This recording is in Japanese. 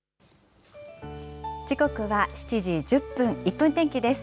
時刻は７時１０分、１分天気です。